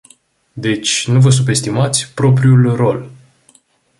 Deci, nu vă subestimați propriul rol.